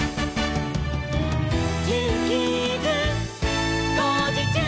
「ジューキーズこうじちゅう！」